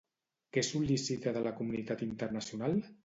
Què sol·licita de la comunitat internacional?